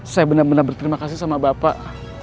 saya benar benar berterima kasih sama bapak